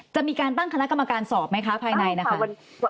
จะมีการตั้งคณะกรรมการสอบไหมคะภายในนะคะ